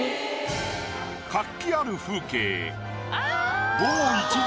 活気ある風景。